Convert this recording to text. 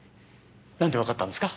なんでわかったんですか？